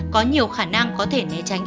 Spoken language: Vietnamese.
có nhiều khả năng có thể né tránh